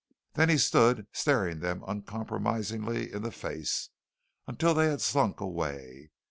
Then he stood staring them uncomprisingly in the face, until they had slunk away.